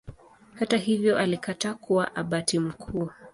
Hata hivyo alikataa kuwa Abati mkuu.